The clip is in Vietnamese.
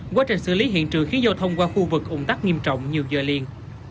quá trình xử lý hiện trường khiến giao thông qua khu vực ủng tắc nghiêm trọng nhiều giờ liền